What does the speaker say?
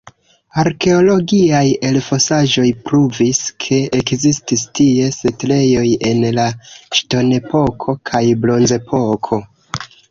Arkeologiaj elfosaĵoj pruvis, ke ekzistis tie setlejoj en la ŝtonepoko kaj bronzepoko.